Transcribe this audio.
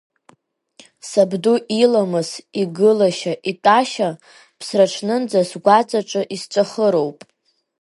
Сабду иламыс, игылашьа, итәашьа, ԥсраҽнынӡа сгәаҵаҿы исҵәахыроуп!